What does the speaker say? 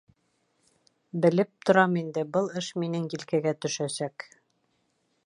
Белеп торам инде, был эш минең елкәгә төшәсәк.